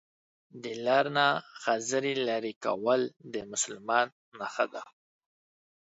دا لار نه خځلي لري کول د مسلمان نښانه ده